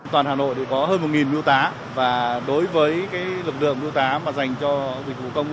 toàn hà nội có hơn một bưu tá và đối với lực lượng bưu tá dành cho bệnh vụ công vụ bốn